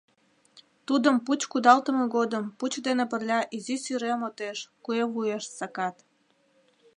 Тудым пуч кудалтыме годым пуч дене пырля изи сӱрем отеш, куэ вуеш, сакат.